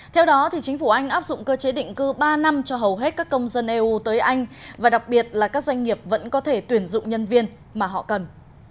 theo đó chính phủ anh áp dụng cơ chế định cư ba năm cho hầu hết các công dân eu tới anh và đặc biệt là các doanh nghiệp vẫn có thể tuyển dụng nhân viên mà họ cần